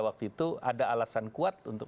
waktu itu ada alasan kuat untuk